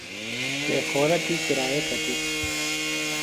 پیخورہ تی کِرایہ کتِیۡ؟